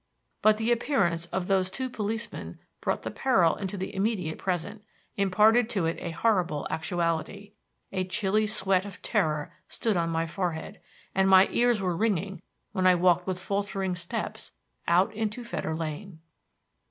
But the appearance of those two policemen brought the peril into the immediate present, imparted to it a horrible actuality. A chilly sweat of terror stood on my forehead, and my ears were ringing when I walked with faltering steps out into Fetter Lane.